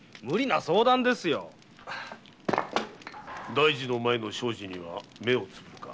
大事の前の小事には目を瞑るか。